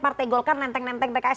partai golkar nenteng nenteng pks